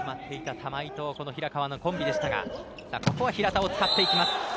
玉井と平川のコンビでしたがここは平田を使います。